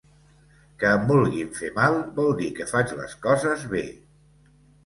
Que em vulguin fer mal vol dir que faig les coses bé.